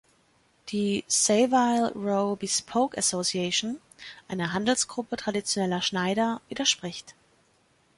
Die Savile Row Bespoke Association, eine Handelsgruppe traditioneller Schneider, widerspricht.